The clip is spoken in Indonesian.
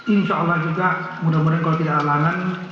insya allah juga mudah mudahan kalau tidak halangan